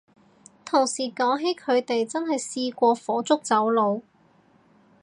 同事講起佢哋真係試過火燭走佬